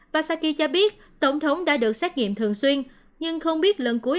basaki cho biết tổng thống đã được xét nghiệm thường xuyên nhưng không biết lần cuối